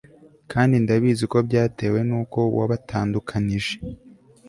kandi ndabizi ko byatewe nuko wabatandukanije